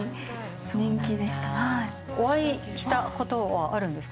お会いしたことはあるんですか？